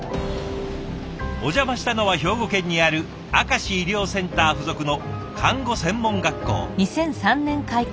お邪魔したのは兵庫県にある明石医療センター附属の看護専門学校。